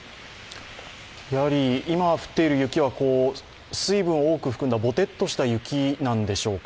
やはり今、降っている雪は水分を多く含んだボテッとした雪なんでしょうか？